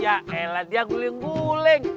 ya helat dia guling guling